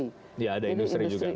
ya ada industri juga